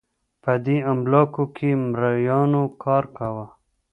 په دې املاکو کې مریانو کار کاوه